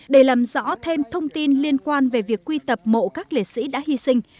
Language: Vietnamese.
để làm rõ thêm thông tin liên quan về việc quy tập mộ các liệt sĩ đã hy sinh